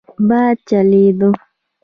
باد چلېده.